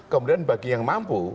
kemudian bagi yang mampu